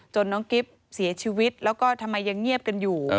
น้องกิ๊บเสียชีวิตแล้วก็ทำไมยังเงียบกันอยู่